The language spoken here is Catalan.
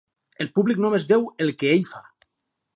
El públic només veu el que ell fa.